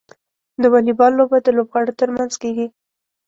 د واليبال لوبه د لوبغاړو ترمنځ کیږي.